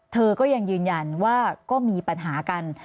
เธอก็ยังยืนยันว่าก็มีปัญหากัน